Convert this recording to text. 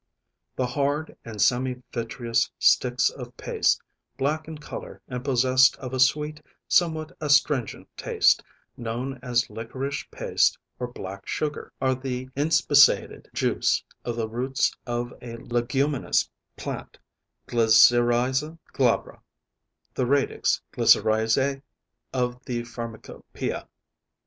The hard and semi vitreous sticks of paste, black in colour and possessed of a sweet somewhat astringent taste, known as liquorice paste or black sugar, are the inspissated juice of the roots of a leguminous plant, Glycyrrhiza glabra, the radix glycyrrhizae of the pharmacopoeia.